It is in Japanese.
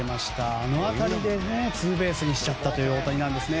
あの当たりでツーベースにしちゃった大谷なんですね。